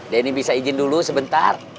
denny bisa izin dulu sebentar